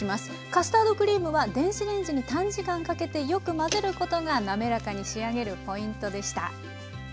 カスタードクリームは電子レンジに短時間かけてよく混ぜることが滑らかに仕上げるポイントでした。